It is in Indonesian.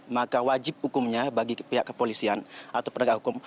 maka wajib hukumnya bagi pihak kepolisian atau penegak hukum